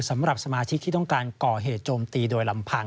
สำหรับสมาชิกที่ต้องการก่อเหตุโจมตีโดยลำพัง